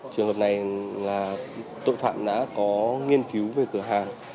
trường hợp này là tội phạm đã có nghiên cứu về cửa hàng